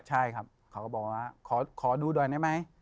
ใช่ครับเขาก็บอกว่าขอดูหน่อยได้ไหม